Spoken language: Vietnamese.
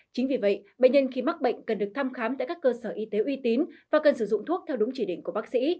chính vì vậy bệnh nhân khi mắc bệnh cần được thăm khám tại các cơ sở y tế uy tín và cần sử dụng thuốc theo đúng chỉ định của bác sĩ